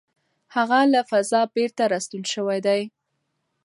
هغه له فضا بېرته راستون شوی دی.